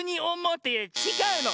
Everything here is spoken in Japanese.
ってちがうの！